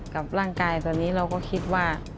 กับร่างกายตอนนี้เราก็คิดว่า